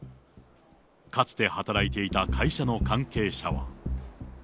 かつて働いていた会社の関係者は。